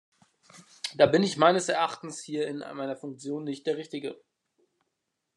Da bin ich meines Erachtens hier in meiner Funktion nicht der Richtige.